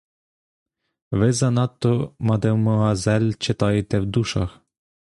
Ви занадто, мадемуазель, читаєте в душах!